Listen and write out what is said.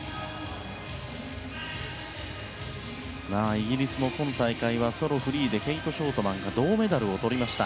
イギリスも今大会はソロ、フリーでケイト・ショートマンが銅メダルをとりました。